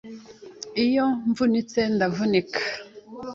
Iyo mvunitse ndavunika